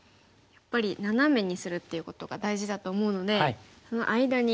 やっぱりナナメにするっていうことが大事だと思うのでその間に。